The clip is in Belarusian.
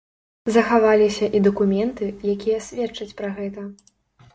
Захаваліся і дакументы, якія сведчаць пра гэта.